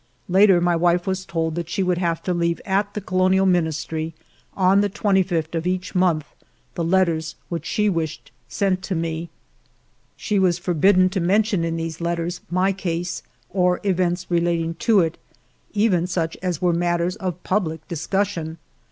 Later my wife was told that she would have to leave at ALFRED DREYFUS 141 the Colonial Ministry, on the 25th of each month, the letters which she wished sent to me. She was forbidden to mention in these letters my case or events relating to it, even such as were matters of public discussion.